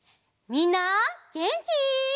みんなげんき？